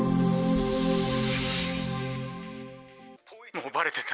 「もうバレてた。